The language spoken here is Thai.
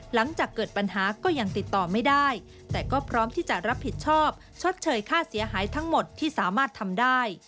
หลังจากเกิดปัญหาก็ยังติดต่อไม่ได้แต่ก็พร้อมที่จะรับผิดชอบชดเชยค่าเสียหายทั้งหมดที่สามารถทำได้